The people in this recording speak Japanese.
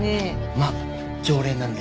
まあ常連なんで。